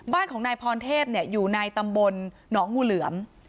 บ้านของนายพรเทพอยู่ในตำบลหนองงูเหลือม